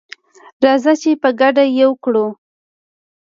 راځه چي په ګډه یې وکړو